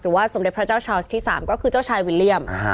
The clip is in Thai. ว่าสมเด็จพระเจ้าชาวสที่๓ก็คือเจ้าชายวิลเลี่ยม